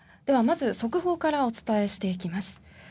では、まず速報からお伝えしていきます。